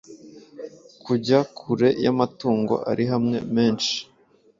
kujya kure y’amatungo ari hamwe menshi